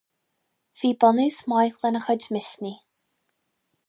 Bhí bunús maith lena chuid misnigh.